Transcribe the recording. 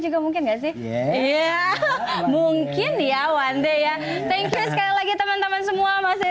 juga mungkin nggak sih iya mungkin ya one day ya thank you sekali lagi teman teman semua masih